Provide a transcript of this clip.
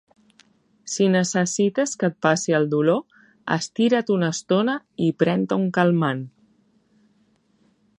Si necessites que et passi el dolor, estira't una estona i pren-te un calmant.